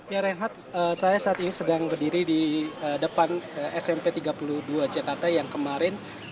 ya reinhardt saya saat ini sedang berdiri di depan smp tiga puluh dua jakarta yang kemarin